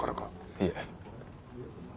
いえ。